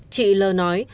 chị l nói